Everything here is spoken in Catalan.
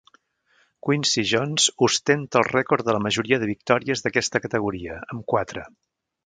Quincy Jones ostenta el rècord de la majoria de victòries d'aquesta categoria, amb quatre.